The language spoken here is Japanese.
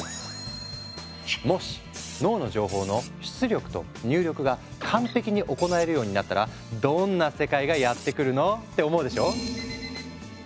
もし脳の情報の出力と入力が完璧に行えるようになったらどんな世界がやって来るの？って思うでしょ？